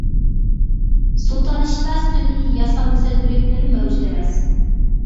«سۇ تالىشىش» تا سۈنئىي، ياسالما سۆز بىرىكمىلىرى مەۋجۇت ئەمەس.